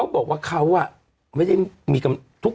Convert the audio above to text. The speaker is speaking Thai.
อันคารที่ผ่านมานี่เองไม่กี่วันนี่เอง